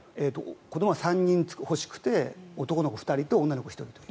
子どもは３人欲しくて男の子２人と女の子１人という。